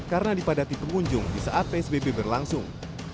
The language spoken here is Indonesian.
karena dipadati pengunjung di saat psbb berlangsung